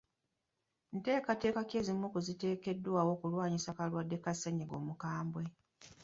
Nteekateeka ki ezimu ku ziteekeddwawo okulwanyisa akawuka ka ssenyiga omukambwe?